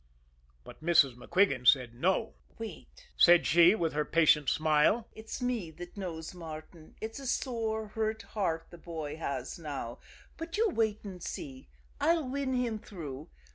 But Mrs. MacQuigan said no. "Wait," said she, with her patient smile. "It's me that knows Martin. It's a sore, hurt heart the boy has now; but you wait and see I'll win him through.